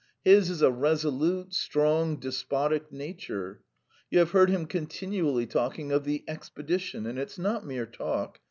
His is a resolute, strong, despotic nature. You have heard him continually talking of 'the expedition,' and it's not mere talk.